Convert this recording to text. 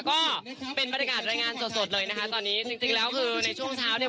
ก็เป็นบรรยากาศรายงานสดสดเลยนะคะตอนนี้จริงจริงแล้วคือในช่วงเช้าเนี่ย